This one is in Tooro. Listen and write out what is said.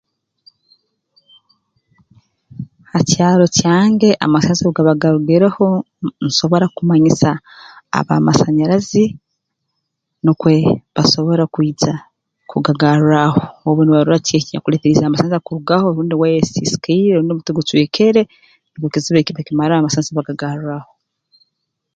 Ha kyaro kyange amasasi obu gaba garugireho m nsobora kumanyisa ab'amasanyarazi nukwe basobole kwija kugagarraaho obu nibarora kiki ekinyakuleeteriize amasanyarazi ago kurugaho obundi ewaya esisikaire rundi omuti gucwekere nukwo ekizibu eki bakimaraho amasasi bagagarraaho